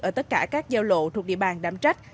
ở tất cả các giao lộ thuộc địa bàn đám trách